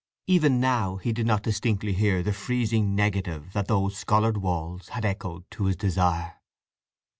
Even now he did not distinctly hear the freezing negative that those scholared walls had echoed to his desire.